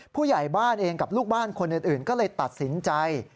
ผู้ใหญ่บ้านเองกับลูกบ้านคนอื่นก็เลยตัดสินใจ